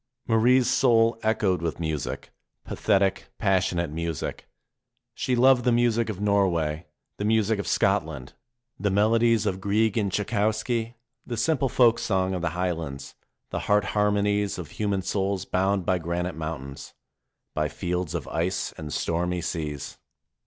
Marie's soul echoed with music, pathetic, passionate music. She loved the music of Norway, the music of Scotland, the melodies of Grieg and Tschaikowsky, the simple folk song of the Highlands, the heart harmonies of human souls bound by granite mountains, by fields of ice and stormy seas.